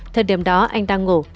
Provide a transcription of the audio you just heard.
thời điểm đó anh đang ngủ